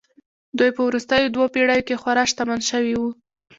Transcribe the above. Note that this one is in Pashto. دوی په وروستیو دوو پېړیو کې خورا شتمن شوي وو